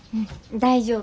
大丈夫。